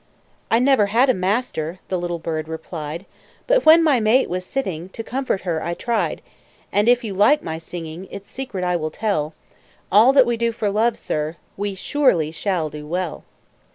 "I never had a master," The little bird replied; "But when my mate was sitting, To comfort her I tried; "And if you like my singing, Its secret I will tell All that we do for love, sir, We surely shall do well."